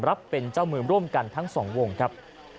รับเป็นเจ้ามือร่วมกันทั้งสองวงครับ